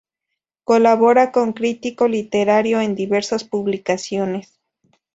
Colabora como crítico literario en diversas publicaciones.